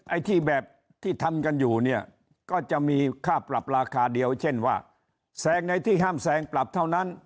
ไอ้ที่แบบที่ทำกันอยู่เนี่ยก็จะมีค่าปรับราคาเดียวเช่นว่าแซงในที่ห้ามแซงปรับเท่านั้น